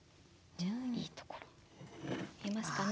いいところ見えますかね。